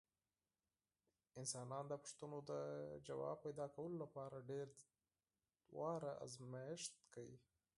انسانان د پوښتنو د ځواب پیدا کولو لپاره ډېر ځله ازمېښت کوي.